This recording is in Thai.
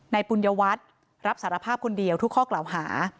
ปุญญวัตรรับสารภาพคนเดียวทุกข้อกล่าวหา